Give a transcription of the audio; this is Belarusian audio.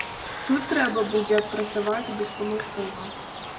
Тут трэба будзе адпрацаваць беспамылкова.